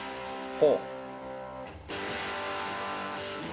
ほう。